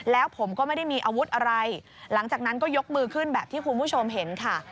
แล้วผมก็ไม่ได้มีอาวุธอะไรหลังจากนั้นก็ยกมือขึ้นแบบที่คุณผู้ชมเห็นค่ะ